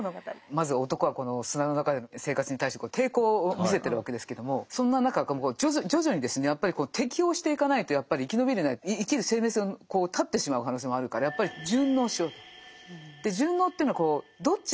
まず男はこの砂の中での生活に対して抵抗を見せてるわけですけどもそんな中徐々にですねやっぱり適応していかないとやっぱり生き延びれない生きる生命線を絶ってしまう可能性もあるからやっぱり順応しようと。